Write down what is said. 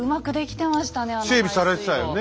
整備されてたよね。